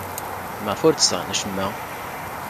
Maɣef ur d-sɣin acemma?